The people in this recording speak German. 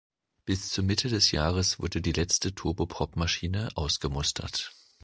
Bis zur Mitte des Jahres wurde die letzte Turboprop-Maschine ausgemustert.